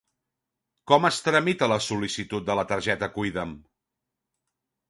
Com es tramita la sol·licitud de la targeta Cuida'm?